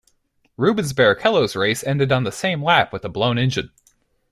Rubens Barrichello's race ended on the same lap with a blown engine.